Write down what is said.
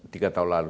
tiga tahun lalu